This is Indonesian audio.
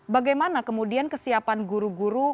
bagaimana kemudian kesiapan guru guru